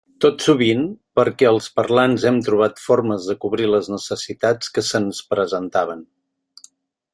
Tot sovint perquè els parlants hem trobat formes de cobrir les necessitats que se'ns presentaven.